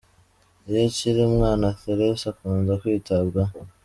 Iyo akiri umwana, Therese akunda kwitabwaho.